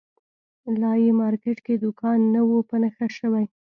لا یې مارکېټ کې دوکان نه وو په نښه شوی.